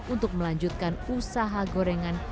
untuk melanjutkan usaha gorengan